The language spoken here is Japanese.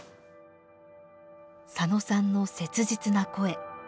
佐野さんの切実な声。